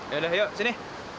ya udah yuk sini